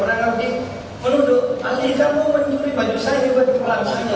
orang orang ini menuduh alih kamu mencuri baju saya baju pelanggan saya